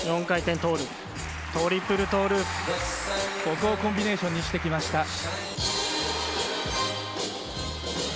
４回転トゥループトリプルトゥループここをコンビネーションにしてきました。